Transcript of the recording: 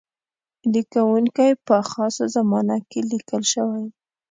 لیکونکی په خاصه زمانه کې لیکل شوی.